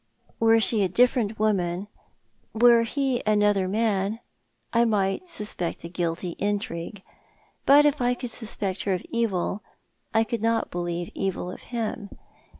Were she a different woman, were he another man, I might suspect a guilty intrigue ; but if I could suspect her of evil I could not believe evil of him.